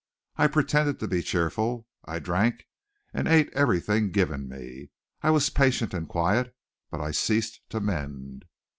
I pretended to be cheerful; I drank and ate anything given me; I was patient and quiet. But I ceased to mend.